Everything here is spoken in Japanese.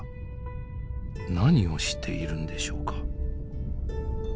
何をしているんでしょうか？